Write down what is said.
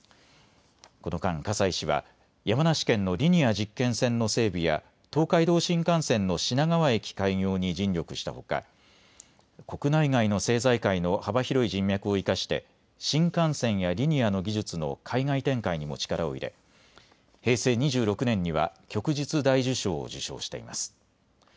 この間、葛西氏は山梨県のリニア実験線の整備や東海道新幹線の品川駅開業に尽力したほか国内外の政財界の幅広い人脈を生かして新幹線やリニアの技術の海外展開にも力を入れ平成２６年には旭日大綬章を受章しています。